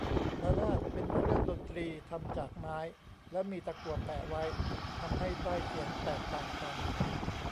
ระนาด เป็นเครื่องดนตรีทำจากไม้ แล้วมีตะกั่วแปะไว้ ทำให้ได้เสียงแตกต่างกัน